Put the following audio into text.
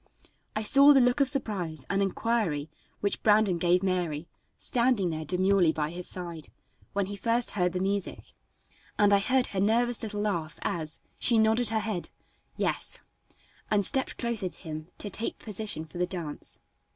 I saw the look of surprise and inquiry which Brandon gave Mary, standing there demurely by his side, when he first heard the music, and I heard her nervous little laugh as, she nodded her head, "Yes," and stepped closer to him to take position for the dance.